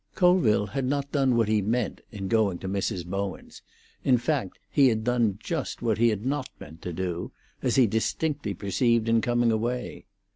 XI Colville had not done what he meant in going to Mrs. Bowen's; in fact, he had done just what he had not meant to do, as he distinctly perceived in coming away.